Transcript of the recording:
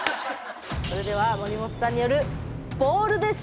それでは森本さんによる「ボール」です！